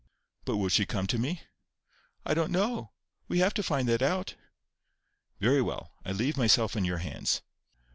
"But will she come to me?" "I don't know. We have to find that out." "Very well. I leave myself in your hands."